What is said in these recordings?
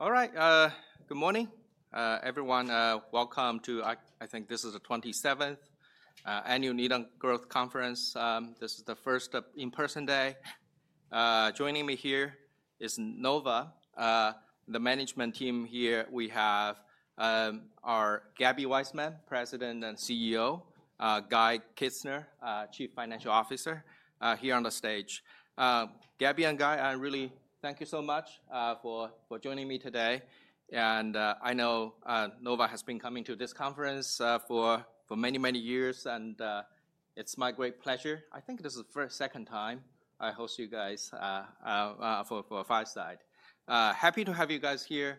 All right, good morning, everyone. Welcome to, I think this is the 27th Annual Needham Growth Conference. This is the first in-person day. Joining me here is Nova, the management team here. We have our Gaby Waisman, President and CEO, Guy Kizner, Chief Financial Officer here on the stage. Gaby and Guy, I really thank you so much for joining me today, and I know Nova has been coming to this conference for many, many years, and it's my great pleasure. I think this is the second time I host you guys for fireside. Happy to have you guys here.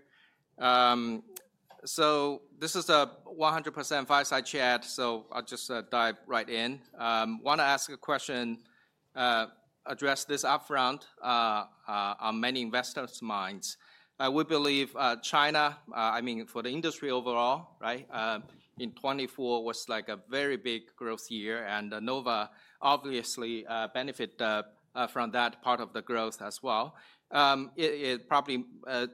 This is a 100% fireside chat, so I'll just dive right in. I want to ask a question addressed this upfront on many investors' minds. We believe China, I mean, for the industry overall, right, in 2024 was like a very big growth year. Nova, obviously, benefited from that part of the growth as well. It probably,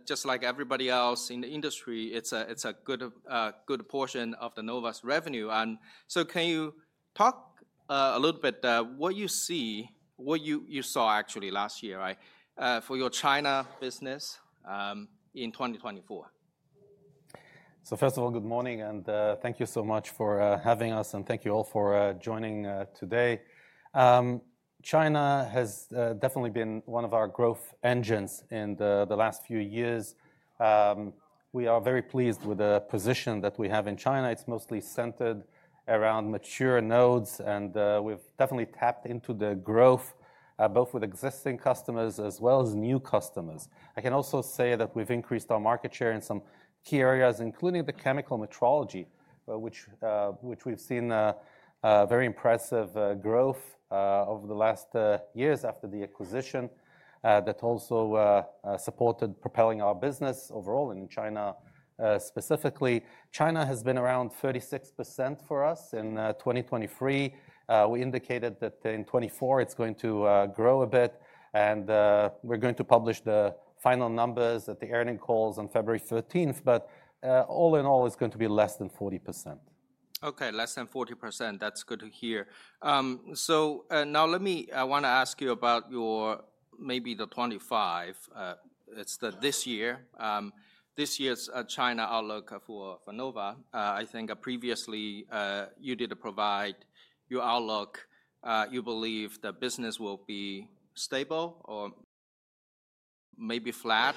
just like everybody else in the industry, it's a good portion of Nova's revenue. Can you talk a little bit about what you see, what you saw actually last year, right, for your China business in 2024? First of all, good morning, and thank you so much for having us, and thank you all for joining today. China has definitely been one of our growth engines in the last few years. We are very pleased with the position that we have in China. It's mostly centered around mature nodes, and we've definitely tapped into the growth, both with existing customers as well as new customers. I can also say that we've increased our market share in some key areas, including the chemical metrology, which we've seen very impressive growth over the last years after the acquisition that also supported propelling our business overall in China, specifically. China has been around 36% for us in 2023. We indicated that in 2024 it's going to grow a bit, and we're going to publish the final numbers at the earnings call on February 13th. But all in all, it's going to be less than 40%. Okay, less than 40%. That's good to hear. So now let me want to ask you about your maybe the 2025. It's this year, this year's China outlook for Nova. I think previously you did provide your outlook. You believe the business will be stable or maybe flat.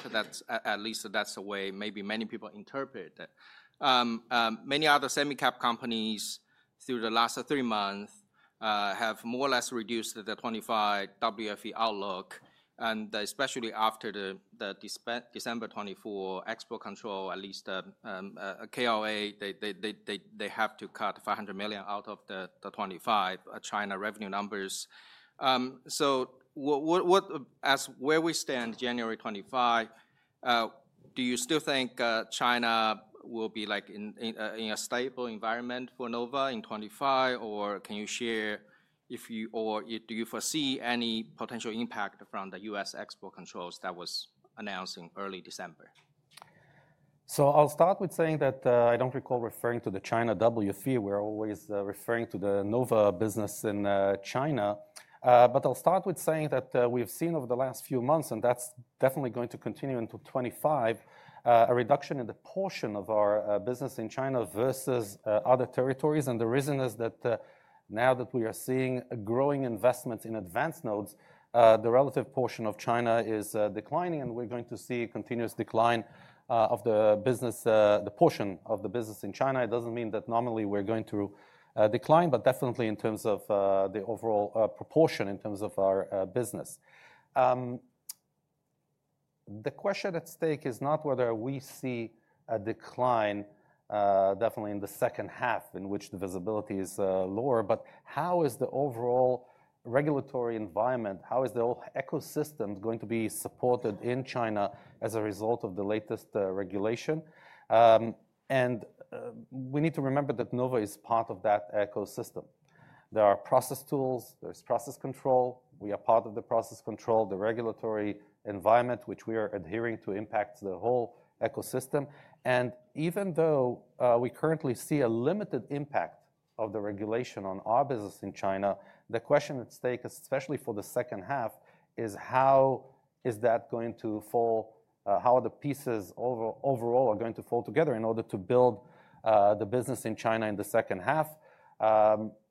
At least that's the way maybe many people interpret it. Many other semicap companies through the last three months have more or less reduced the 2025 WFE outlook. And especially after the December 2024 export control, at least KLA, they have to cut $500 million out of the 2025 China revenue numbers. So as where we stand January 2025, do you still think China will be like in a stable environment for Nova in 2025, or can you share if you or do you foresee any potential impact from the U.S. export controls that was announced in early December? I'll start with saying that I don't recall referring to the China WFE. We're always referring to the Nova business in China. But I'll start with saying that we've seen over the last few months, and that's definitely going to continue into 2025, a reduction in the portion of our business in China versus other territories. And the reason is that now that we are seeing growing investments in advanced nodes, the relative portion of China is declining, and we're going to see a continuous decline of the business, the portion of the business in China. It doesn't mean that normally we're going to decline, but definitely in terms of the overall proportion in terms of our business. The question at stake is not whether we see a decline definitely in the second half in which the visibility is lower, but how is the overall regulatory environment, how is the whole ecosystem going to be supported in China as a result of the latest regulation? And we need to remember that Nova is part of that ecosystem. There are process tools, there's process control. We are part of the process control, the regulatory environment, which we are adhering to impacts the whole ecosystem. And even though we currently see a limited impact of the regulation on our business in China, the question at stake, especially for the second half, is how is that going to fall, how the pieces overall are going to fall together in order to build the business in China in the second half.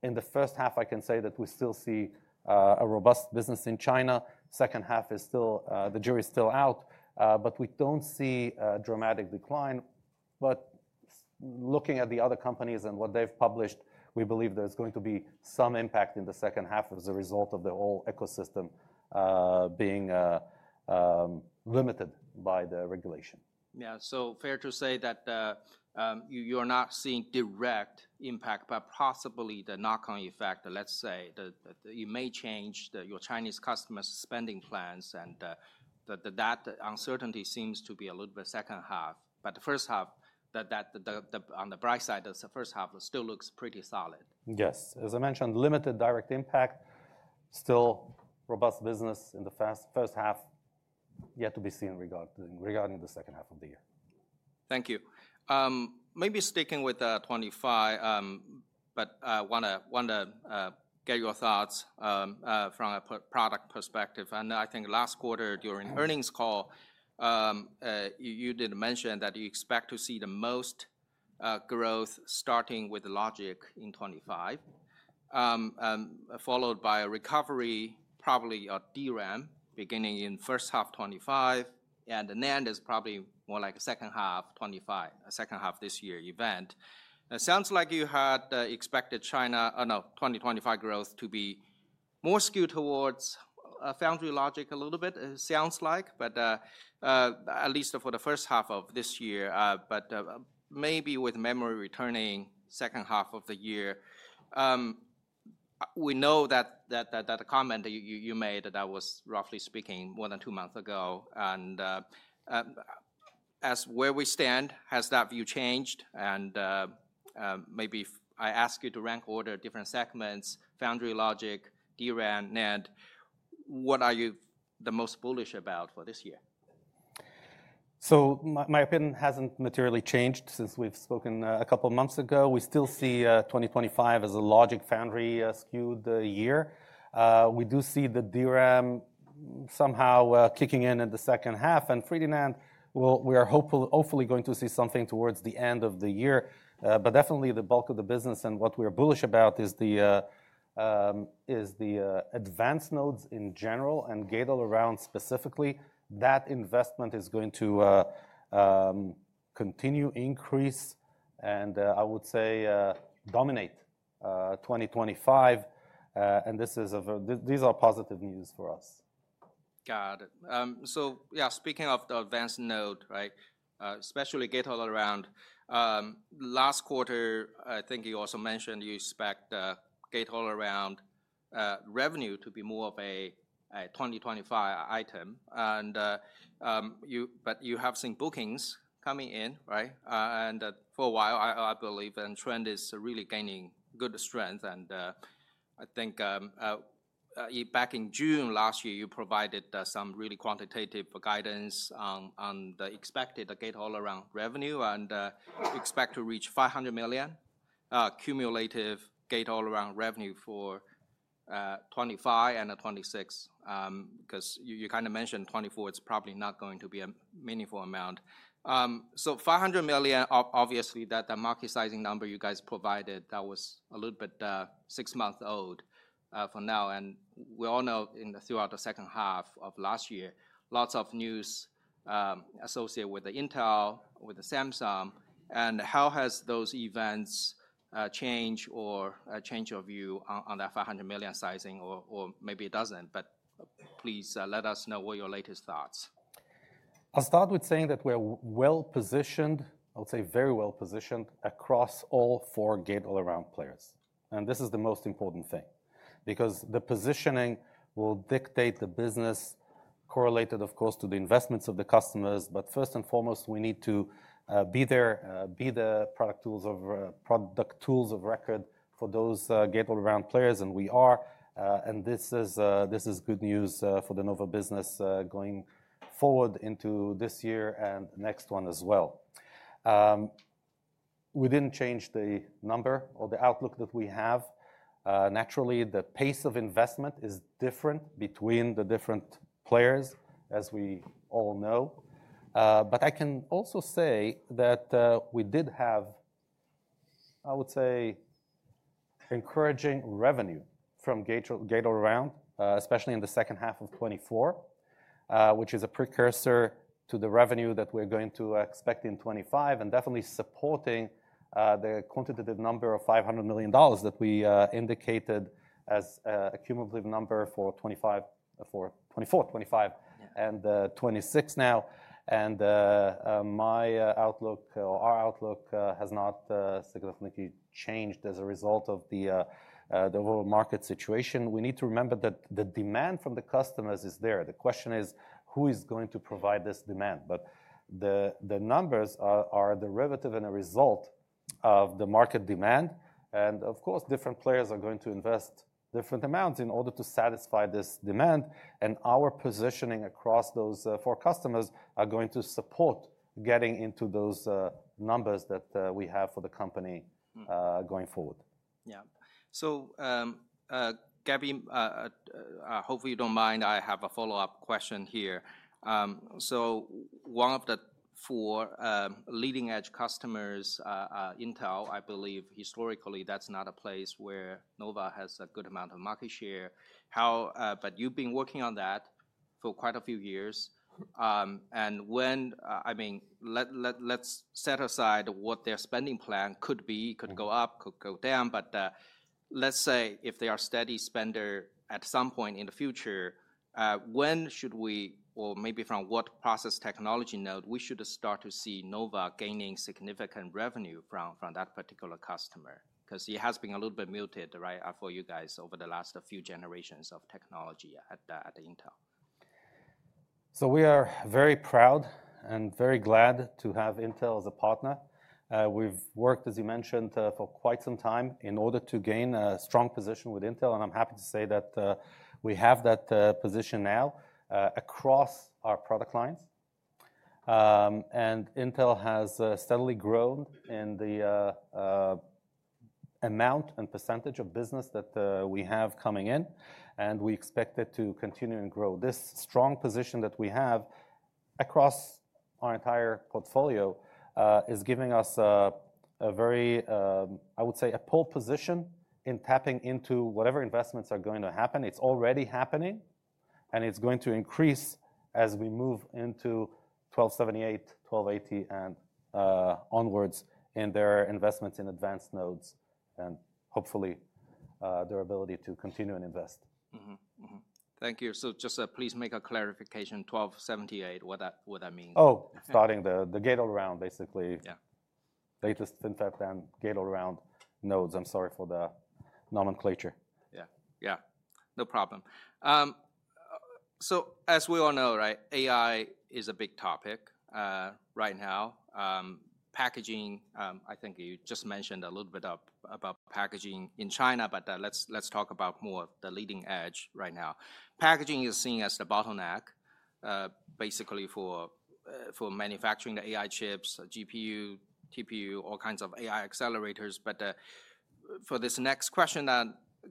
In the first half, I can say that we still see a robust business in China. Second half is still, the jury's still out, but we don't see a dramatic decline. But looking at the other companies and what they've published, we believe there's going to be some impact in the second half as a result of the whole ecosystem being limited by the regulation. Yeah, so fair to say that you are not seeing direct impact, but possibly the knock-on effect. Let's say that you may change your Chinese customers' spending plans, and that uncertainty seems to be a little bit second half, but the first half, on the bright side, the first half still looks pretty solid. Yes. As I mentioned, limited direct impact, still robust business in the first half, yet to be seen regarding the second half of the year. Thank you. Maybe sticking with 2025, but I want to get your thoughts from a product perspective. And I think last quarter during earnings call, you did mention that you expect to see the most growth starting with logic in 2025, followed by a recovery probably of DRAM beginning in first half 2025, and then there's probably more like a second half 2025, second half this year event. It sounds like you had expected China, no, 2025 growth to be more skewed towards foundry logic a little bit, it sounds like, but at least for the first half of this year, but maybe with memory returning second half of the year. We know that the comment that you made that was roughly speaking more than two months ago. And as we stand, has that view changed? And maybe I ask you to rank order different segments, foundry logic, DRAM, NED. What are you the most bullish about for this year? So my opinion hasn't materially changed since we've spoken a couple of months ago. We still see 2025 as a logic foundry skewed year. We do see the DRAM somehow kicking in in the second half. And HBM and we are hopefully going to see something towards the end of the year. But definitely the bulk of the business and what we're bullish about is the advanced nodes in general and GAA specifically. That investment is going to continue increase and I would say dominate 2025. And these are positive news for us. Got it. So yeah, speaking of the advanced node, right, especially Gate-All-Around, last quarter, I think you also mentioned you expect Gate-All-Around revenue to be more of a 2025 item. But you have seen bookings coming in, right? And for a while, I believe the trend is really gaining good strength. And I think back in June last year, you provided some really quantitative guidance on the expected Gate-All-Around revenue and expect to reach $500 million cumulative Gate-All-Around revenue for 2025 and 2026. Because you kind of mentioned 2024, it's probably not going to be a meaningful amount. So $500 million, obviously that market sizing number you guys provided, that was a little bit six months old for now. And we all know throughout the second half of last year, lots of news associated with Intel, with Samsung. How has those events changed or changed your view on that $500 million sizing or maybe it doesn't? Please let us know what your latest thoughts. I'll start with saying that we're well positioned. I would say very well positioned across all four Gate-All-Around players. And this is the most important thing because the positioning will dictate the business correlated, of course, to the investments of the customers. But first and foremost, we need to be there, be the product tools of record for those Gate-All-Around players. And we are. And this is good news for the Nova business going forward into this year and next one as well. We didn't change the number or the outlook that we have. Naturally, the pace of investment is different between the different players, as we all know. But I can also say that we did have, I would say, encouraging revenue from Gate-All-Around, especially in the second half of 2024, which is a precursor to the revenue that we're going to expect in 2025 and definitely supporting the quantitative number of $500 million that we indicated as a cumulative number for 2024, 2025, and 2026 now. And my outlook or our outlook has not significantly changed as a result of the overall market situation. We need to remember that the demand from the customers is there. The question is who is going to provide this demand? But the numbers are derivative and a result of the market demand. And of course, different players are going to invest different amounts in order to satisfy this demand. And our positioning across those four customers are going to support getting into those numbers that we have for the company going forward. Yeah. So Gaby, hopefully you don't mind. I have a follow-up question here. So one of the four leading-edge customers, Intel, I believe historically that's not a place where Nova has a good amount of market share. But you've been working on that for quite a few years. And when, I mean, let's set aside what their spending plan could be, could go up, could go down. But let's say if they are steady spender at some point in the future, when should we, or maybe from what process technology node, we should start to see Nova gaining significant revenue from that particular customer? Because it has been a little bit muted, right, for you guys over the last few generations of technology at Intel. We are very proud and very glad to have Intel as a partner. We've worked, as you mentioned, for quite some time in order to gain a strong position with Intel. I'm happy to say that we have that position now across our product lines. Intel has steadily grown in the amount and percentage of business that we have coming in. We expect it to continue and grow. This strong position that we have across our entire portfolio is giving us a very, I would say, a pole position in tapping into whatever investments are going to happen. It's already happening, and it's going to increase as we move into 1278, 1280, and onwards in their investments in advanced nodes and hopefully their ability to continue and invest. Thank you. So just please make a clarification, 1278, what that means. Oh, starting the Gate-All-Around, basically. Yeah. Latest FinFET and Gate-All-Around nodes. I'm sorry for the nomenclature. Yeah, yeah. No problem. So as we all know, right, AI is a big topic right now. Packaging, I think you just mentioned a little bit about packaging in China, but let's talk about more of the leading edge right now. Packaging is seen as the bottleneck basically for manufacturing the AI chips, GPU, TPU, all kinds of AI accelerators. But for this next question,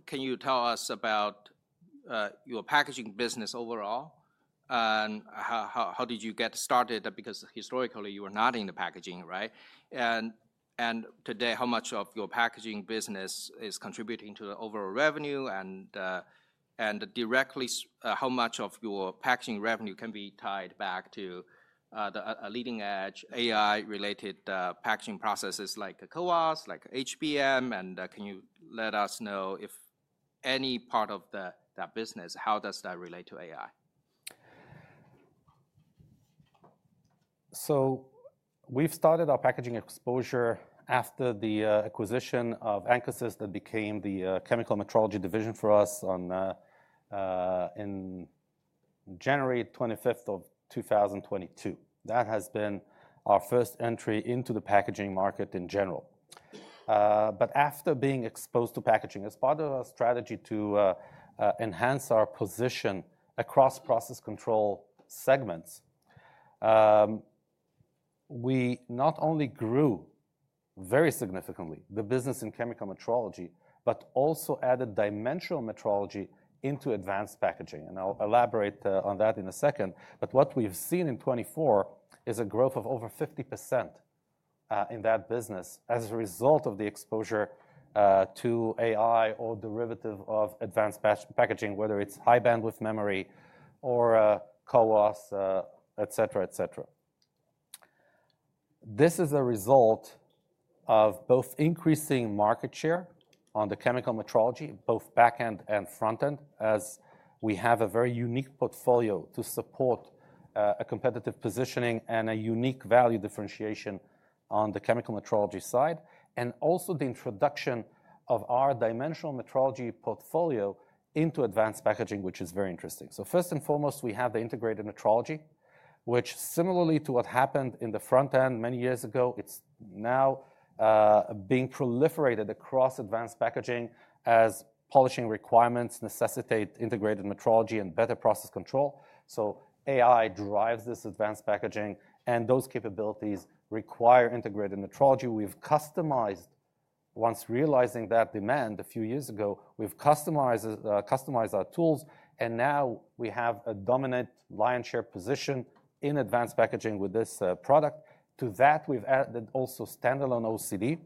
can you tell us about your packaging business overall? And how did you get started? Because historically you were not in the packaging, right? And today, how much of your packaging business is contributing to the overall revenue? And directly, how much of your packaging revenue can be tied back to the leading edge AI-related packaging processes like CoWoS, like HBM? And can you let us know if any part of that business, how does that relate to AI? So we've started our packaging exposure after the acquisition of Ancosys that became the chemical metrology division for us in January 25th of 2022. That has been our first entry into the packaging market in general. But after being exposed to packaging, as part of our strategy to enhance our position across process control segments, we not only grew very significantly the business in chemical metrology, but also added dimensional metrology into advanced packaging. And I'll elaborate on that in a second. But what we've seen in 2024 is a growth of over 50% in that business as a result of the exposure to AI or derivative of advanced packaging, whether it's high bandwidth memory or CoWoS, et cetera, et cetera. This is a result of both increasing market share on the chemical metrology, both backend and frontend, as we have a very unique portfolio to support a competitive positioning and a unique value differentiation on the chemical metrology side, and also the introduction of our dimensional metrology portfolio into advanced packaging, which is very interesting. So first and foremost, we have the integrated metrology, which similarly to what happened in the frontend many years ago, it's now being proliferated across advanced packaging as polishing requirements necessitate integrated metrology and better process control. So AI drives this advanced packaging, and those capabilities require integrated metrology. We've customized, once realizing that demand a few years ago, we've customized our tools. And now we have a dominant lion's share position in advanced packaging with this product. To that, we've added also standalone OCD,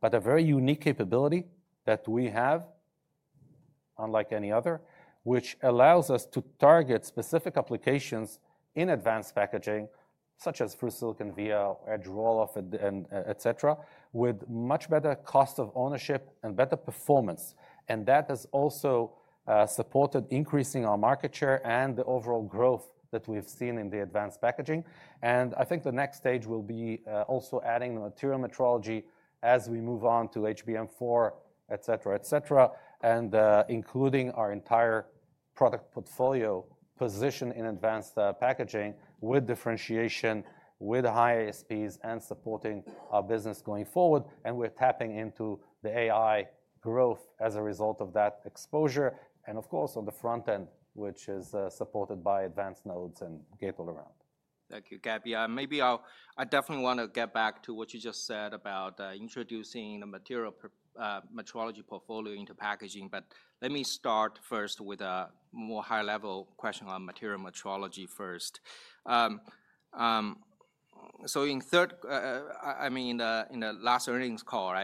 but a very unique capability that we have, unlike any other, which allows us to target specific applications in advanced packaging, such as through-silicon via, edge roll-off, et cetera, with much better cost of ownership and better performance. And that has also supported increasing our market share and the overall growth that we've seen in the advanced packaging. And I think the next stage will be also adding material metrology as we move on to HBM4, et cetera, et cetera, and including our entire product portfolio position in advanced packaging with differentiation, with high ASPs and supporting our business going forward. And we're tapping into the AI growth as a result of that exposure. And of course, on the frontend, which is supported by advanced nodes and gate-all-around. Thank you, Gaby. Maybe I definitely want to get back to what you just said about introducing the material metrology portfolio into packaging. But let me start first with a more high-level question on material metrology first. So, I mean, in the last earnings call,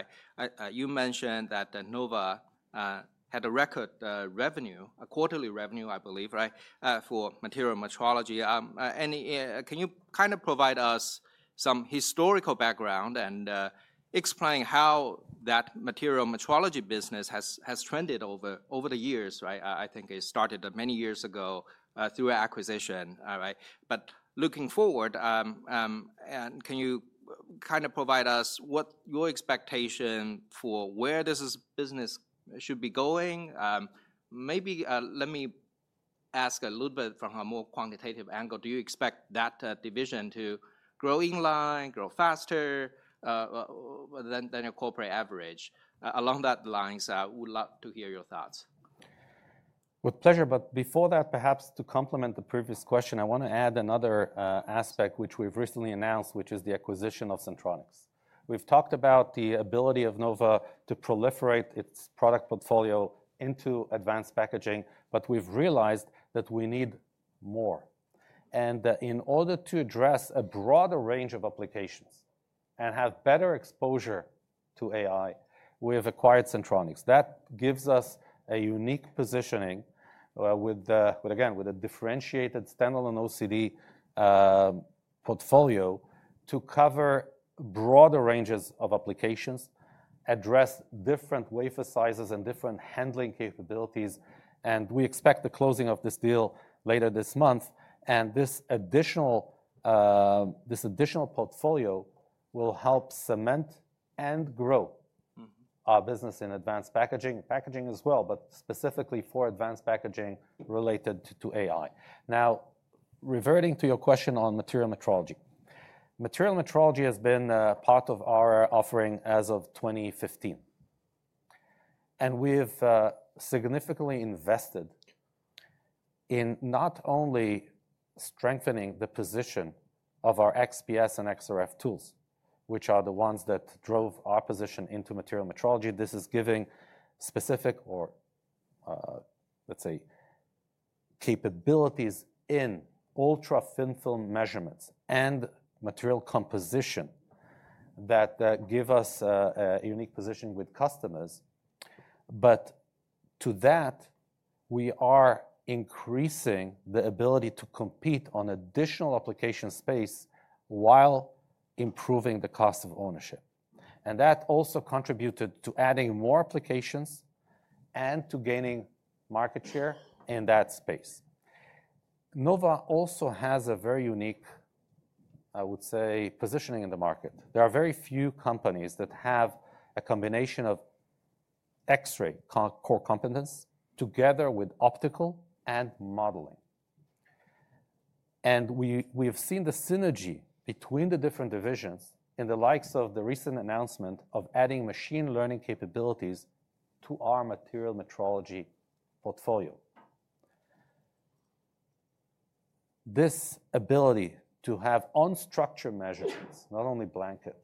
you mentioned that Nova had a record revenue, a quarterly revenue, I believe, right, for material metrology. And can you kind of provide us some historical background and explain how that material metrology business has trended over the years, right? I think it started many years ago through acquisition, right? But looking forward, can you kind of provide us what your expectation for where this business should be going? Maybe let me ask a little bit from a more quantitative angle. Do you expect that division to grow inline, grow faster than your corporate average? Along those lines, I would love to hear your thoughts. With pleasure. But before that, perhaps to complement the previous question, I want to add another aspect which we've recently announced, which is the acquisition of Sentronics. We've talked about the ability of Nova to proliferate its product portfolio into advanced packaging, but we've realized that we need more. And in order to address a broader range of applications and have better exposure to AI, we have acquired Sentronics. That gives us a unique positioning with, again, with a differentiated standalone OCD portfolio to cover broader ranges of applications, address different wafer sizes and different handling capabilities. And we expect the closing of this deal later this month. And this additional portfolio will help cement and grow our business in advanced packaging as well, but specifically for advanced packaging related to AI. Now, reverting to your question on material metrology, material metrology has been part of our offering as of 2015. And we've significantly invested in not only strengthening the position of our XPS and XRF tools, which are the ones that drove our position into material metrology. This is giving specific, or let's say, capabilities in ultra thin film measurements and material composition that give us a unique position with customers. But to that, we are increasing the ability to compete on additional application space while improving the cost of ownership. And that also contributed to adding more applications and to gaining market share in that space. Nova also has a very unique, I would say, positioning in the market. There are very few companies that have a combination of X-ray core components together with optical and modeling. We have seen the synergy between the different divisions in the likes of the recent announcement of adding machine learning capabilities to our material metrology portfolio. This ability to have unstructured measurements, not only blanket,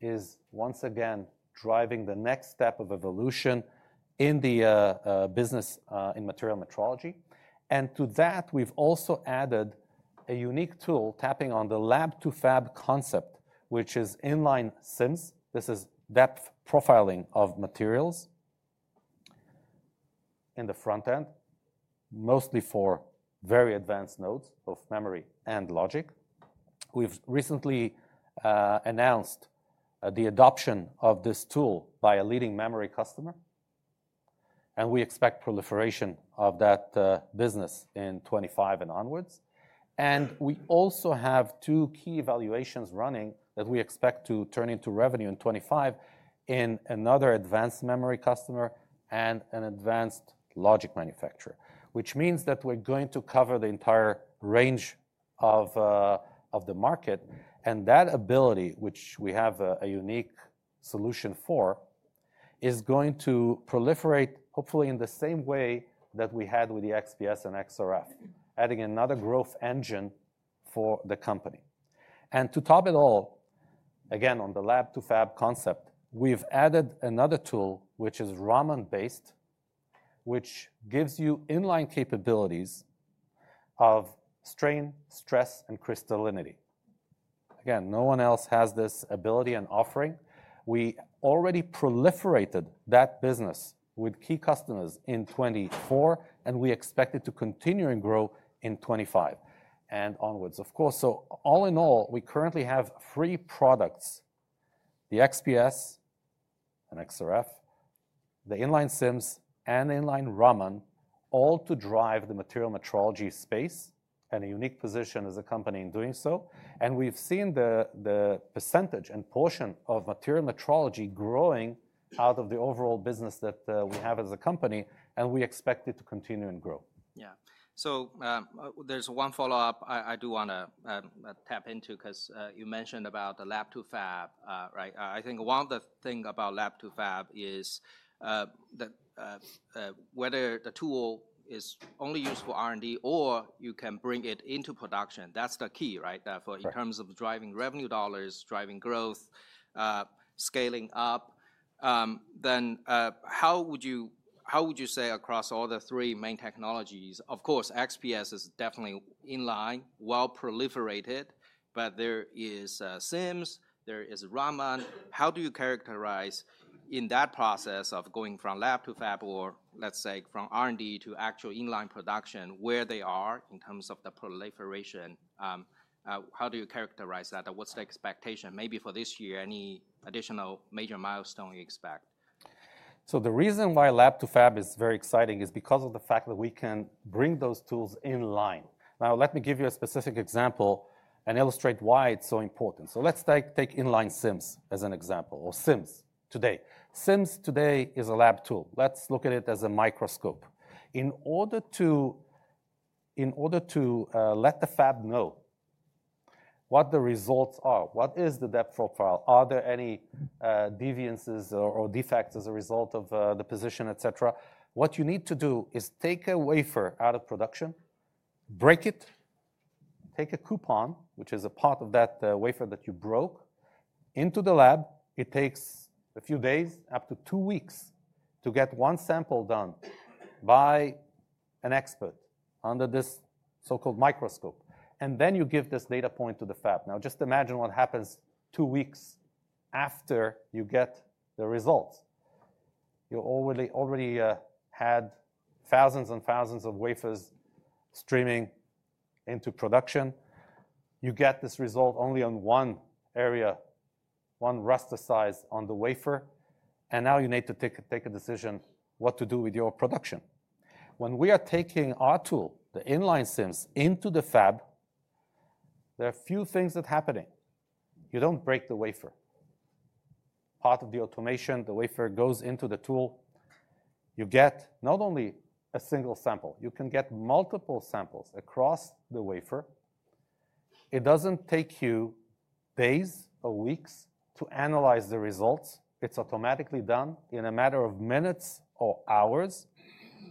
is once again driving the next step of evolution in the business in material metrology. And to that, we've also added a unique tool tapping on the Lab-to-Fab concept, which is inline SIMS. This is depth profiling of materials in the frontend, mostly for very advanced nodes of memory and logic. We've recently announced the adoption of this tool by a leading memory customer. And we expect proliferation of that business in 2025 and onwards. And we also have two key evaluations running that we expect to turn into revenue in 2025 in another advanced memory customer and an advanced logic manufacturer, which means that we're going to cover the entire range of the market. And that ability, which we have a unique solution for, is going to proliferate, hopefully in the same way that we had with the XPS and XRF, adding another growth engine for the company. And to top it all, again, on the Lab-to-Fab concept, we've added another tool, which is Raman-based, which gives you inline capabilities of strain, stress, and crystallinity. Again, no one else has this ability and offering. We already proliferated that business with key customers in 2024, and we expect it to continue and grow in 2025 and onwards, of course. All in all, we currently have three products, the XPS and XRF, the inline SIMS and inline Raman, all to drive the material metrology space and a unique position as a company in doing so. We've seen the percentage and portion of material metrology growing out of the overall business that we have as a company, and we expect it to continue and grow. Yeah. So there's one follow-up I do want to tap into because you mentioned about the Lab-to-Fab, right? I think one of the things about Lab-to-Fab is whether the tool is only used for R&D or you can bring it into production. That's the key, right? In terms of driving revenue dollars, driving growth, scaling up. Then how would you say across all the three main technologies? Of course, XPS is definitely inline, well proliferated, but there is SIMS, there is Raman. How do you characterize in that process of going from Lab-to-Fab or let's say from R&D to actual inline production, where they are in terms of the proliferation? How do you characterize that? What's the expectation maybe for this year? Any additional major milestone you expect? The reason why Lab-to-Fab is very exciting is because of the fact that we can bring those tools inline. Now, let me give you a specific example and illustrate why it's so important. Let's take inline SIMS as an example or SIMS today. SIMS today is a lab tool. Let's look at it as a microscope. In order to let the fab know what the results are, what is the depth profile, are there any deviations or defects as a result of the position, et cetera, what you need to do is take a wafer out of production, break it, take a coupon, which is a part of that wafer that you broke, into the lab. It takes a few days, up to two weeks, to get one sample done by an expert under this so-called microscope. And then you give this data point to the fab. Now, just imagine what happens two weeks after you get the results. You already had thousands and thousands of wafers streaming into production. You get this result only on one area, one rust size on the wafer. And now you need to take a decision what to do with your production. When we are taking our tool, the inline SIMS, into the fab, there are a few things that are happening. You don't break the wafer. Part of the automation, the wafer goes into the tool. You get not only a single sample. You can get multiple samples across the wafer. It doesn't take you days or weeks to analyze the results. It's automatically done in a matter of minutes or hours.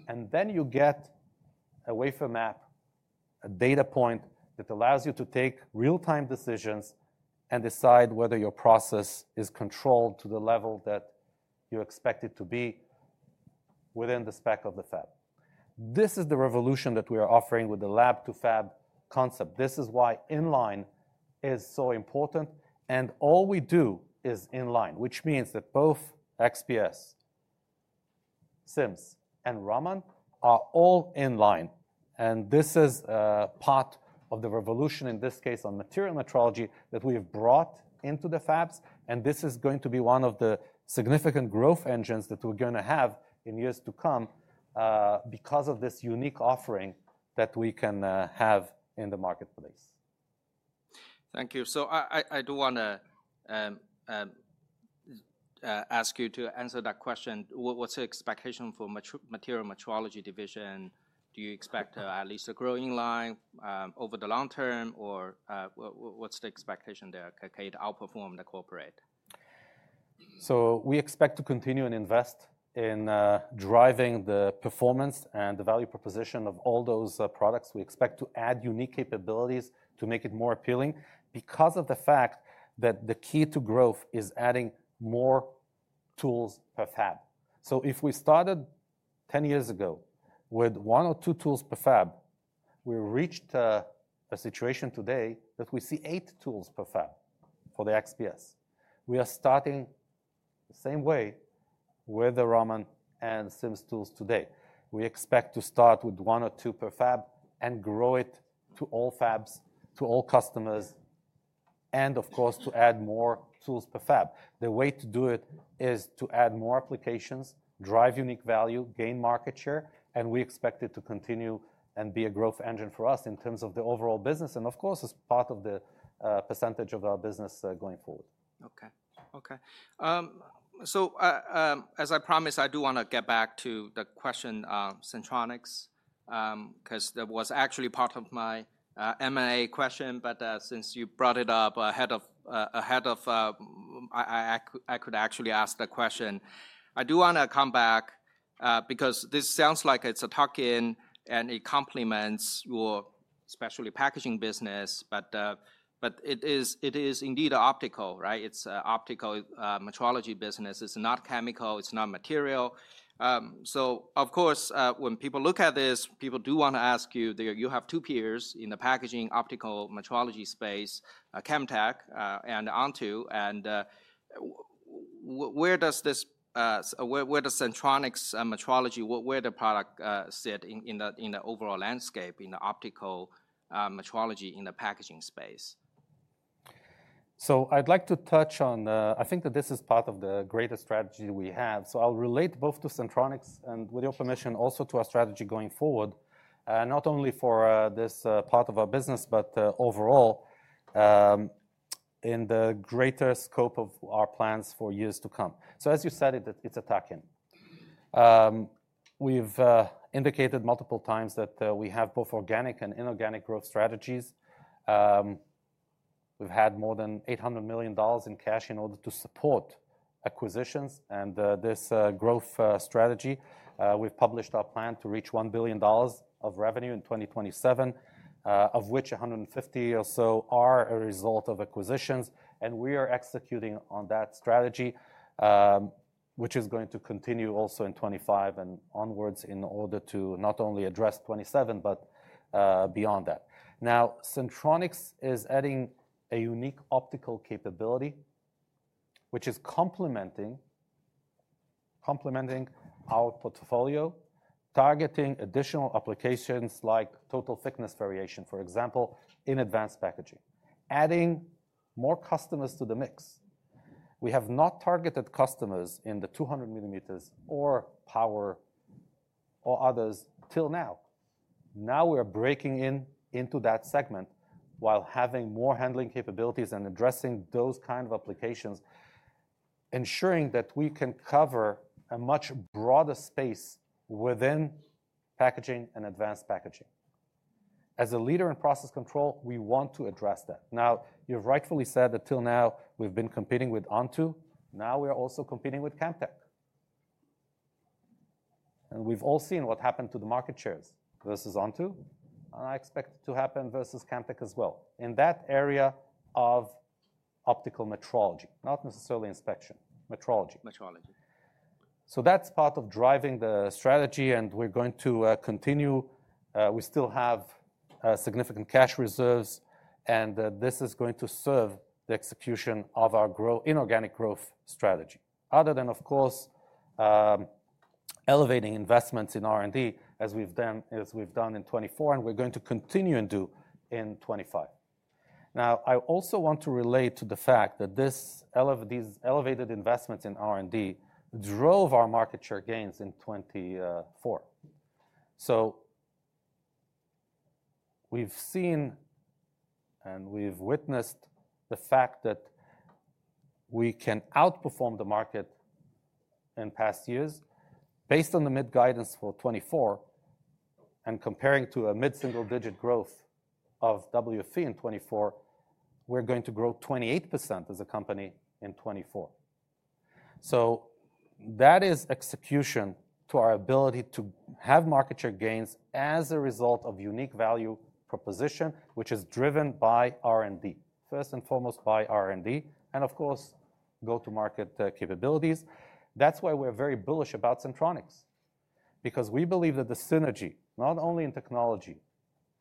And then you get a wafer map, a data point that allows you to take real-time decisions and decide whether your process is controlled to the level that you expect it to be within the spec of the fab. This is the revolution that we are offering with the Lab-to-Fab concept. This is why inline is so important. And all we do is inline, which means that both XPS, SIMS, and Raman are all inline. And this is part of the revolution, in this case, on material metrology that we have brought into the fabs. And this is going to be one of the significant growth engines that we're going to have in years to come because of this unique offering that we can have in the marketplace. Thank you. So I do want to ask you to answer that question. What's the expectation for material metrology division? Do you expect at least a growing line over the long term? Or what's the expectation there? Can it outperform the corporate? So we expect to continue and invest in driving the performance and the value proposition of all those products. We expect to add unique capabilities to make it more appealing because of the fact that the key to growth is adding more tools per fab. So if we started 10 years ago with one or two tools per fab, we reached a situation today that we see eight tools per fab for the XPS. We are starting the same way with the Raman and SIMS tools today. We expect to start with one or two per fab and grow it to all fabs, to all customers, and of course, to add more tools per fab. The way to do it is to add more applications, drive unique value, gain market share. We expect it to continue and be a growth engine for us in terms of the overall business and of course, as part of the percentage of our business going forward. Okay. So as I promised, I do want to get back to the question, Sentronics, because that was actually part of my M&A question. But since you brought it up ahead of I could actually ask the question. I do want to come back because this sounds like it's a tuck-in and it complements your specialty packaging business. But it is indeed an optical, right? It's an optical metrology business. It's not chemical. It's not material. So of course, when people look at this, people do want to ask you, you have two peers in the packaging optical metrology space, Camtek and Onto. And where does Sentronics metrology, where does the product sit in the overall landscape, in the optical metrology in the packaging space? So I'd like to touch on. I think that this is part of the greater strategy we have. So I'll relate both to Sentronics and, with your permission, also to our strategy going forward, not only for this part of our business, but overall in the greater scope of our plans for years to come. So as you said, it's a tuck-in. We've indicated multiple times that we have both organic and inorganic growth strategies. We've had more than $800 million in cash in order to support acquisitions and this growth strategy. We've published our plan to reach $1 billion of revenue in 2027, of which 150 or so are a result of acquisitions. And we are executing on that strategy, which is going to continue also in 2025 and onwards in order to not only address 2027, but beyond that. Now, Sentronics is adding a unique optical capability, which is complementing our portfolio, targeting additional applications like total thickness variation, for example, in advanced packaging, adding more customers to the mix. We have not targeted customers in the 200 millimeters or power or others till now. Now we're breaking into that segment while having more handling capabilities and addressing those kinds of applications, ensuring that we can cover a much broader space within packaging and advanced packaging. As a leader in process control, we want to address that. Now, you've rightfully said that till now we've been competing with Onto. Now we are also competing with Camtek. And we've all seen what happened to the market shares. Versus Onto. And I expect it to happen versus Camtek as well in that area of optical metrology, not necessarily inspection, metrology. Metrology. That's part of driving the strategy. And we're going to continue. We still have significant cash reserves. And this is going to serve the execution of our inorganic growth strategy, other than, of course, elevating investments in R&D as we've done in 2024, and we're going to continue and do in 2025. Now, I also want to relate to the fact that these elevated investments in R&D drove our market share gains in 2024. So we've seen and we've witnessed the fact that we can outperform the market in past years. Based on the mid guidance for 2024 and comparing to a mid single-digit growth of WFE in 2024, we're going to grow 28% as a company in 2024. So that is execution to our ability to have market share gains as a result of unique value proposition, which is driven by R&D, first and foremost by R&D, and of course, go-to-market capabilities. That's why we're very bullish about Sentronics, because we believe that the synergy, not only in technology,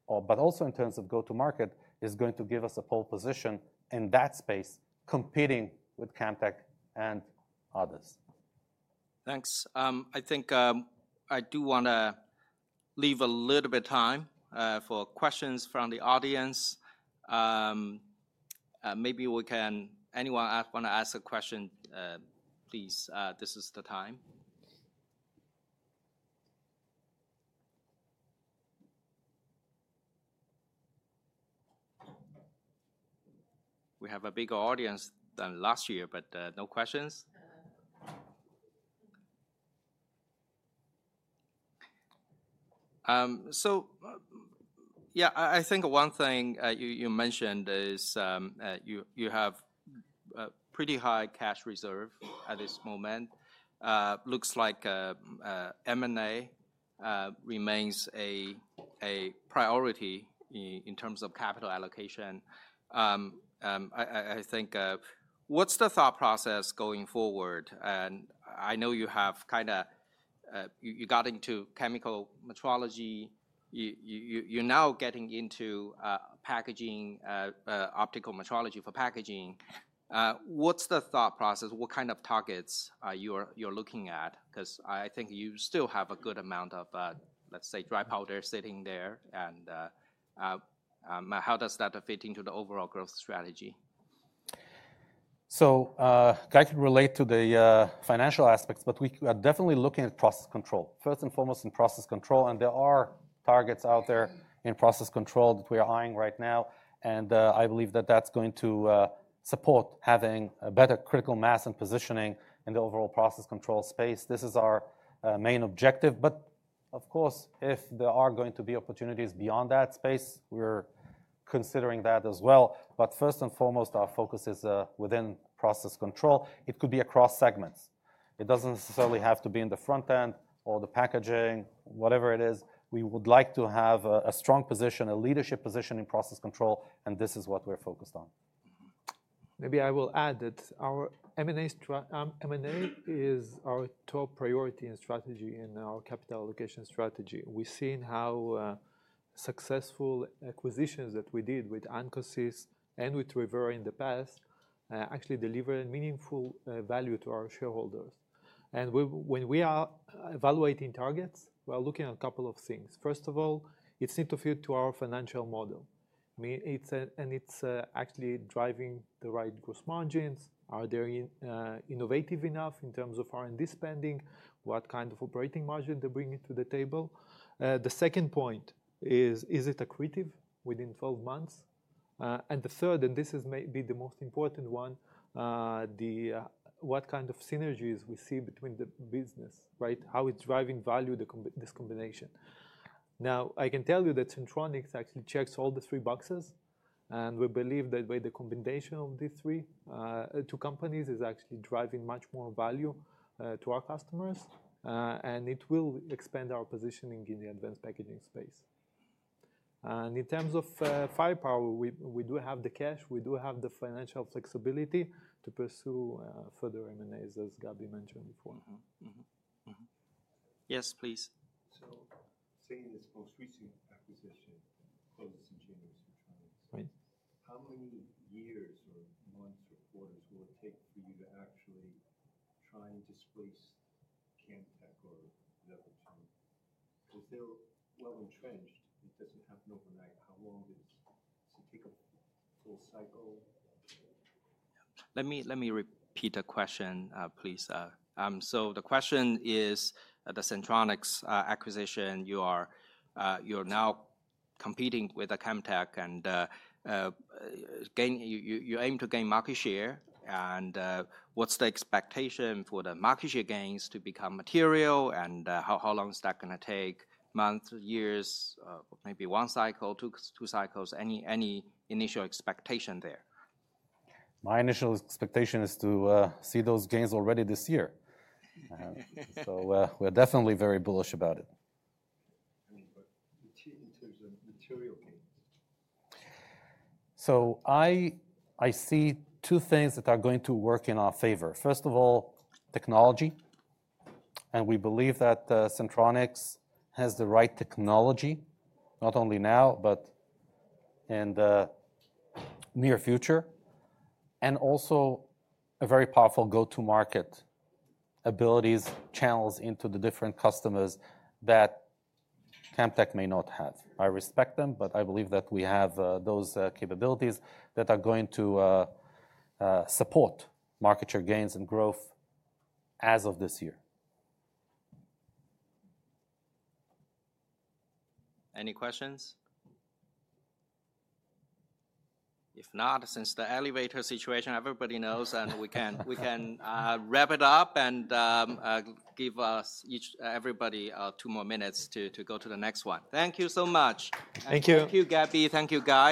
but also in terms of go-to-market, is going to give us a pole position in that space, competing with Camtek and others. Thanks. I think I do want to leave a little bit of time for questions from the audience. Maybe we can anyone want to ask a question, please? This is the time. We have a bigger audience than last year, but no questions. So yeah, I think one thing you mentioned is you have a pretty high cash reserve at this moment. Looks like M&A remains a priority in terms of capital allocation. I think what's the thought process going forward? And I know you kind of got into chemical metrology. You're now getting into packaging optical metrology for packaging. What's the thought process? What kind of targets are you looking at? Because I think you still have a good amount of, let's say, dry powder sitting there. And how does that fit into the overall growth strategy? So I could relate to the financial aspects, but we are definitely looking at process control, first and foremost in process control, and there are targets out there in process control that we are eyeing right now, and I believe that that's going to support having a better critical mass and positioning in the overall process control space. This is our main objective, but of course, if there are going to be opportunities beyond that space, we're considering that as well, but first and foremost, our focus is within process control. It could be across segments. It doesn't necessarily have to be in the front end or the packaging, whatever it is. We would like to have a strong position, a leadership position in process control, and this is what we're focused on. Maybe I will add that our M&A is our top priority and strategy in our capital allocation strategy. We've seen how successful acquisitions that we did with Ancosys and with ReVera in the past actually delivered meaningful value to our shareholders. And when we are evaluating targets, we're looking at a couple of things. First of all, it fits into our financial model. And it's actually driving the right gross margins. Are they innovative enough in terms of R&D spending? What kind of operating margin they bring to the table? The second point is, is it accretive within 12 months? And the third, and this is maybe the most important one, what kind of synergies we see between the business, right? How it's driving value, this combination. Now, I can tell you that Sentronics actually checks all the three boxes. And we believe that by the combination of these two companies, it's actually driving much more value to our customers. And it will expand our positioning in the advanced packaging space. And in terms of firepower, we do have the cash. We do have the financial flexibility to pursue further M&A, as Gaby mentioned before. Yes, please. So, saying this most recent acquisition, closing and Janex and Tron, how many years or months or quarters will it take for you to actually try and displace Camtek or the other two? Because they're well entrenched. It doesn't happen overnight. How long does it take a full cycle? Let me repeat the question, please. So the question is, the Sentronics acquisition, you are now competing with Camtek. And you aim to gain market share. And what's the expectation for the market share gains to become material? And how long is that going to take? Months, years? Maybe one cycle, two cycles? Any initial expectation there? My initial expectation is to see those gains already this year, so we're definitely very bullish about it. In terms of material gains? So I see two things that are going to work in our favor. First of all, technology. And we believe that Sentronics has the right technology, not only now, but in the near future, and also a very powerful go-to-market abilities, channels into the different customers that Camtek may not have. I respect them, but I believe that we have those capabilities that are going to support market share gains and growth as of this year. Any questions? If not, since the elevator situation everybody knows, and we can wrap it up and give each everybody two more minutes to go to the next one. Thank you so much. Thank you. Thank you, Gaby. Thank you, Guy.